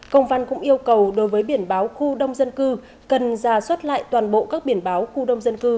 công văn cũng yêu cầu đối với biển báo khu đông dân cư cần ra soát lại toàn bộ các biển báo khu đông dân cư